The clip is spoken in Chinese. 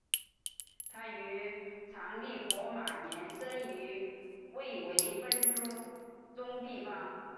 他于藏历火马年生于卫堆奔珠宗地方。